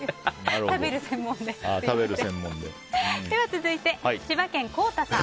続いて、千葉県の方。